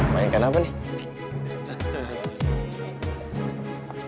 mainkan apa nih